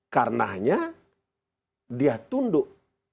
karena hanya dia tunduk